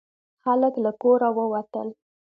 خلک له کوره ووتل.